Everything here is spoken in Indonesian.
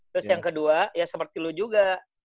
terus yang kedua ya seperti lu juga